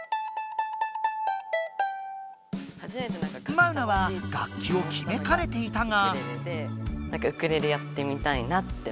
マウナは楽器を決めかねていたが。